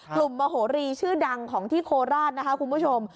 มโหรีชื่อดังของที่โคราชนะคะคุณผู้ชม